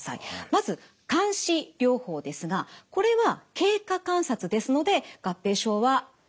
まず監視療法ですがこれは経過観察ですので合併症はありません。